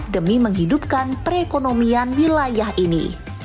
demi menghidupkan perekonomian wilayah ini